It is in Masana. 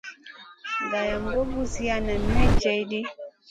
Gayam goy kuziya nam may gèh ɗi.